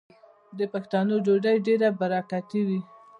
د پښتنو ډوډۍ ډیره برکتي وي.